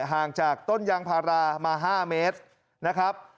ห่างจากต้นยางพารามา๕เมตรนะครับ